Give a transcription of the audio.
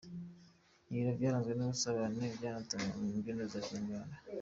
Ibiro byaranzwe n’ubusabane, banatarama mu mbyino za kinyarwanda.